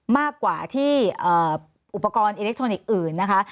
มากกว่าที่อุปกรณ์อิเล็กทรอนิกส์อื่นนะคะ